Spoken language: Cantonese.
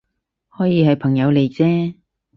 可以係朋友嚟啫